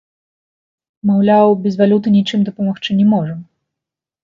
Маўляў, без валюты нічым дапамагчы не можам.